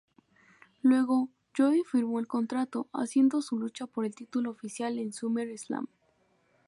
Luego, Joe firmó el contrato, haciendo su lucha por el título oficial en SummerSlam.